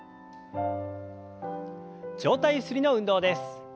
上体ゆすりの運動です。